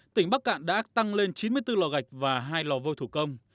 tỉnh bắc cạn đã tăng lên chín mươi bốn lò gạch và hai lò vô thủ công